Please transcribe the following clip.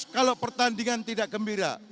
kalau pertandingan tidak gembira